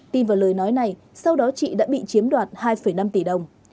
tin vào lời nói này sau đó chị đã bị chiếm đoạt hai năm tỷ đồng